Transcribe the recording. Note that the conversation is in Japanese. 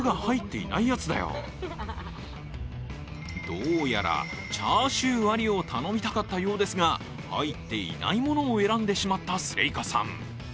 どうやらチャーシューありを頼みたかったようですが、入っていないものを選んでしまったスレイカさん。